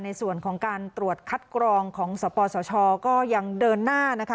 ในส่วนของการตรวจคัดกรองของสปสชก็ยังเดินหน้านะคะ